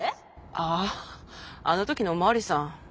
あああの時のお巡りさん。